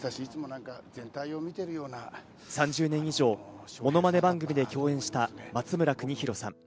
３０年以上、ものまね番組で共演した松村邦洋さん。